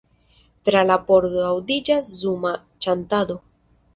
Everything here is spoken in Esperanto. Tra la pordo aŭdiĝas zuma ĉantado.